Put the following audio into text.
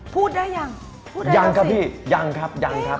พูดได้ยังพูดยังยังครับพี่ยังครับยังครับ